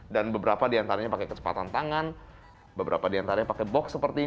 dan beberapa diantaranya pakai kecepatan tangan beberapa diantaranya pakai box seperti ini